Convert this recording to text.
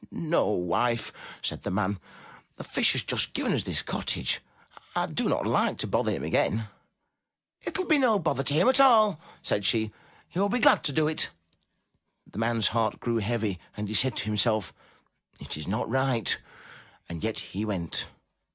'*No, wife," said the man, ''the Fish has just given us this cottage. I do not like to bother him again." "It will be no bother to him at all," said she, "he will be glad to do it." The man's heart grew heavy, and he said to him self, "It is not right," and yet he went.